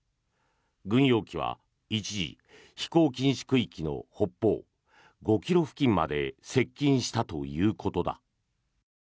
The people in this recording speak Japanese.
軍用機は一時、飛行禁止区域の北方５ｋｍ付近まで接近したということだ。